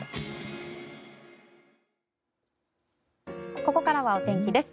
ここからはお天気です。